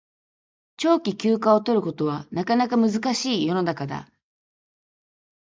長期休暇を取ることはなかなか難しい世の中だ